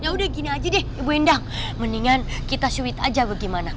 ya udah gini aja deh ibu endang mendingan kita suit aja bagaimana